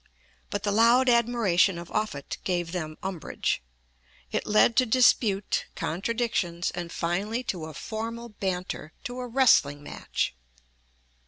But the loud admiration of Offutt gave them umbrage. It led to dispute, contradictions, and finally to a formal banter to a wrestling match.